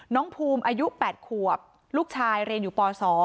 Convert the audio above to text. น้องภูมิอายุ๘ขวบลูกชายเรียนอยู่ป๒